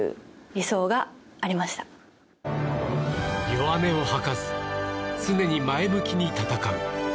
弱音を吐かず常に前向きに戦う。